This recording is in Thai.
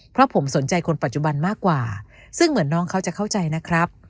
เพราะผมสนใจคนปัจจุบันมากกว่าซึ่งเหมือนน้องเขาจะเข้าใจนะครับ